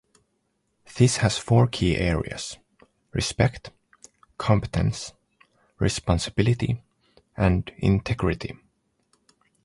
This has four key areas: Respect, Competence, Responsibility and Integrity.